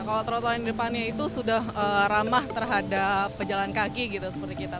kalau trotoar yang di depannya itu sudah ramah terhadap pejalan kaki gitu seperti kita